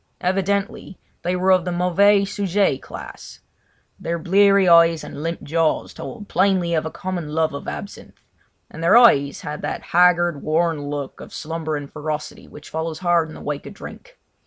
Evidently they were of the mauvais sujet class; their bleary eyes and limp jaws told plainly of a common love of absinthe; and their eyes had that haggard, worn look of slumbering ferocity which follows hard in the wake of drink.